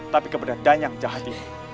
tapi kepada danyang jahat ini